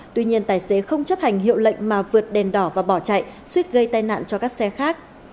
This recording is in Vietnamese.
tuy nhiên tài xế không chấp hành hiệu lệnh mà vượt đèn đỏ và bỏ chạy suýt gây tai nạn cho các xe khác